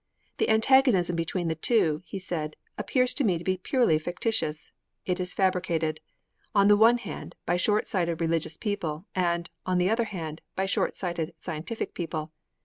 'The antagonism between the two,' he said, 'appears to me to be purely fictitious. It is fabricated, on the one hand, by short sighted religious people, and, on the other hand, by short sighted scientific people.'